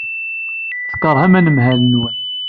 Tkeṛhem anemhal-nwen.